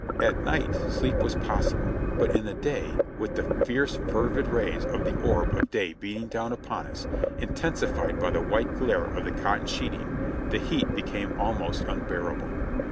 At night sleep was pos sible, but in the day, with the fierce fervid rays of the orb of day beating down upon us, intensified by the white glare of the cot ton sheeting, the heat became almost unbearable.